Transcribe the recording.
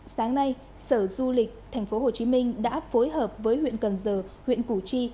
sáng nay sở du lịch tp hcm đã phối hợp với huyện cần giờ huyện củ chi